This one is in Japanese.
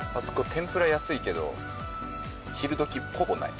天ぷら安いけど昼時ほぼない。